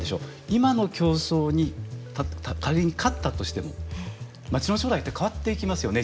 今の競争に仮に勝ったとしてもまちの将来って変わっていきますよね